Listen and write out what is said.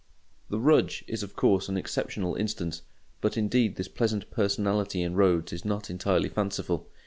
The "Rudge" is of course an exceptional instance; but indeed this pleasant personality in roads is not entirely fanciful.